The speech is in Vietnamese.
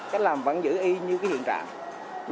cách làm vẫn giữ y như hiện trạng